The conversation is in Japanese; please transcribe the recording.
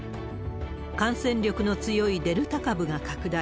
感染力の強いデルタ株が拡大。